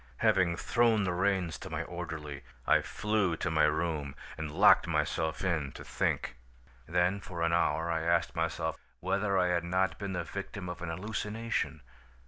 Having thrown the reins to my orderly, I flew to my room and locked myself in to think. "Then for an hour I asked myself whether I had not been the victim of an hallucination.